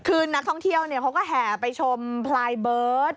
คือนักท่องเที่ยวเขาก็แห่ไปชมพลายเบิร์ต